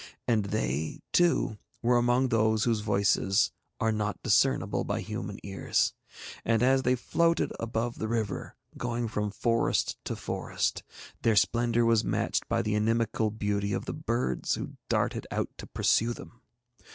And they, too, were among those whose voices are not discernible by human ears. And as they floated above the river, going from forest to forest, their splendour was matched by the inimical beauty of the birds who darted out to pursue them.